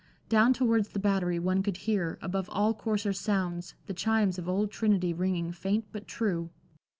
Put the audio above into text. Down towards the Battery one could hear, above all coarser sounds, the chimes of Old Trinity ringing faint but true.